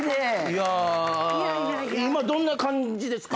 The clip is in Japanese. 今どんな感じですか？